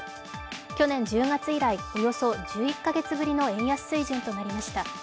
去年１０月以来、およそ１１か月ぶりの円安水準となりました。